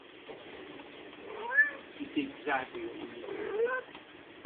I see exactly what you mean.